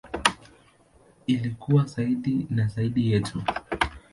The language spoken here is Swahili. Ili kuwa zaidi na zaidi yetu.